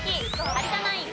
有田ナイン